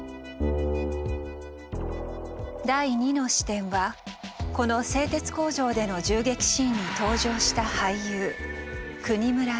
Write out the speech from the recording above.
第２の視点はこの製鉄工場での銃撃シーンに登場した俳優國村隼。